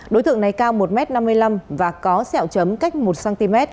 đối tượng này cao một m năm mươi năm và có sẹo chấm cách một cm